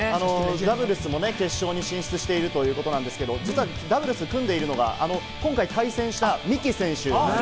ダブルスも決勝に進出しているということですけれども、実はダブルス組んでいるのが今回対戦した三木選手。